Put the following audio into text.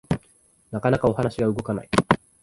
なかなかお話が動かない